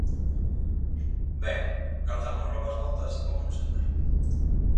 Ben, calzamos logo as botas e pómonos a andar.